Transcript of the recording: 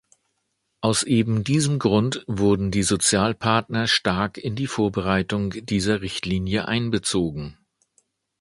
Aus eben diesem Grund wurden die Sozialpartner stark in die Vorbereitung dieser Richtlinie einbezogen.